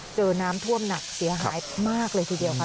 เจอน้ำท่วมหนักเสียหายมากเลยทีเดียวค่ะ